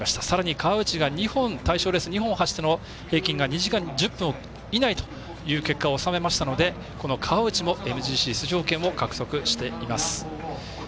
さらに川内が対象レース２本走っての平均が２時間１０分以内という結果を収めましたのでこの川内もＭＧＣ出場権を獲得しています。